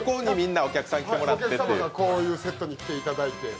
お客様がこういうセットに来ていただいて。